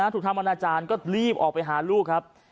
ทำอนาจารย์ก็รีบออกไปหาลูกครับ